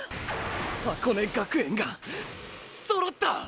箱根学園がーー揃った！！